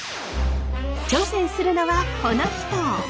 挑戦するのはこの人！